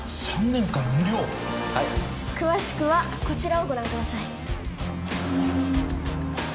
はい詳しくはこちらをご覧ください